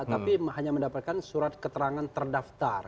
tapi hanya mendapatkan surat keterangan terdaftar